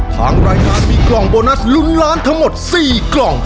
ทางรายการมีกล่องโบนัสลุ้นล้านทั้งหมด๔กล่อง